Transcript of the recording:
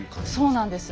そうなんです。